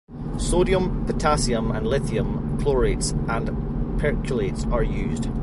Sodium, potassium, and lithium chlorates and perchlorates are used.